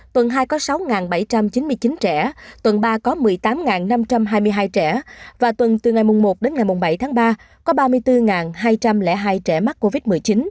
tuần hai có sáu bảy trăm chín mươi chín trẻ tuần ba có một mươi tám năm trăm hai mươi hai trẻ và tuần từ ngày một đến ngày bảy tháng ba có ba mươi bốn hai trăm linh hai trẻ mắc covid một mươi chín